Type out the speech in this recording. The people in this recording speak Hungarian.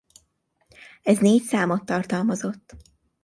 Ez négy számot tartalmazott.